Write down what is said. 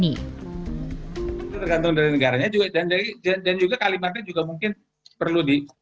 itu tergantung dari negaranya dan juga kalimatnya juga mungkin perlu di